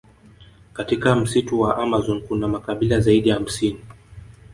Katika msitu wa amazon kuna makabila zaidi ya hamsini